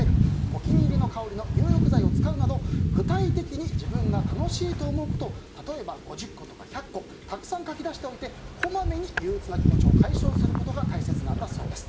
お気に入りの香りの入浴剤を使うなど具体的に自分が楽しいと思うことを５０個とか１００個たくさん書き出しておいてこまめに憂鬱な気持ちを解消することが大切なんだそうです。